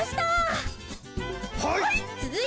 はい！